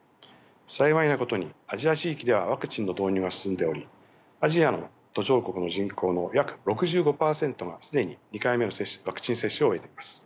幸いなことにアジア地域ではワクチンの導入が進んでおりアジアの途上国の人口の約６５％が既に２回目のワクチン接種を終えています。